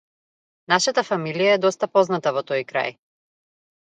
Нашата фамилија е доста позната во тој крај.